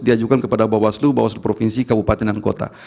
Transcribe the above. diajukan kepada bawaslu bawaslu provinsi kabupaten dan kota